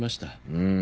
うん。